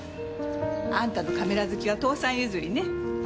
あんたのカメラ好きは父さん譲りね。